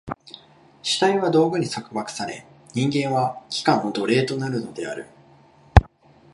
主体は道具に束縛され、人間は器官の奴隷となるのである。